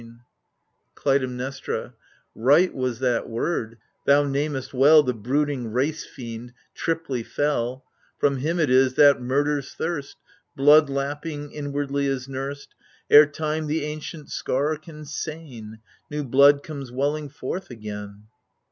AGAMEMNON 69 Clytemnestra Right was that word — thou namest well The brooding race fiend, triply fell 1 From him it is that murder's thirst, Blood lapping, inwardly is nursed — Ere time the ancient scar can sain, New blood comes welling forth again.